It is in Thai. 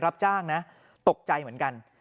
บางวันก็ไปรับจ้างนะตกใจเหมือนกัน